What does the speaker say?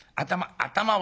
頭を。